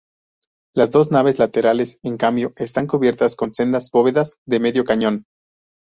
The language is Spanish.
Las dos naves laterales, en cambio, están cubiertas con sendas bóvedas de medio cañón.